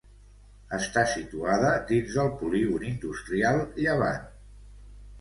Està situada dins del polígon industrial Llevant.